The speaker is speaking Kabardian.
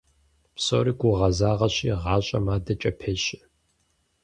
Псори гугъэзагъэщи, гъащӀэм адэкӀэ пещэ.